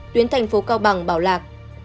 tuyến tp cao bằng bảo lạc